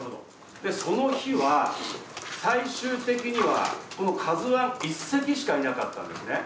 その日は、最終的には、このカズワン１隻しかいなかったんですね。